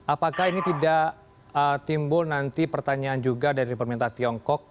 apakah ini tidak timbul nanti pertanyaan juga dari pemerintah tiongkok